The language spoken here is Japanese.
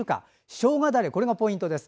しょうがだれがポイントです。